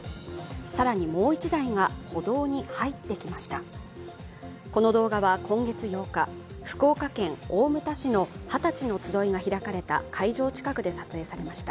更に、もう１台が歩道に入ってきました。